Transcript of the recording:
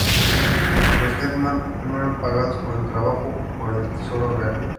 Los "hetman" no eran pagados por su trabajo por el Tesoro Real.